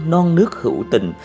non nước hữu tình